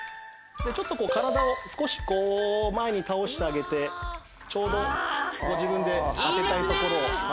ちょっとこう体を少しこう前に倒してあげてちょうどご自分で当てたい所を。